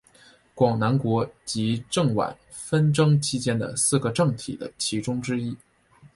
广南国及郑阮纷争期间的四个政体的其中之一。